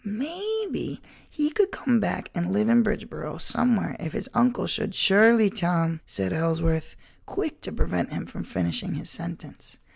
Maybe he could come back and live in Bridgeboro somewhere if his uncle should——" "Surely, Tom," said Mr. Ellsworth, quick to prevent him from finishing his sentence.